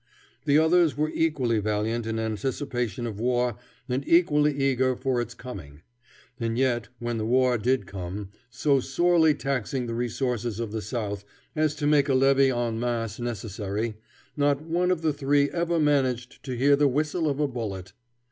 The others were equally valiant in anticipation of war and equally eager for its coming; and yet when the war did come, so sorely taxing the resources of the South as to make a levy en masse necessary, not one of the three ever managed to hear the whistle of a bullet.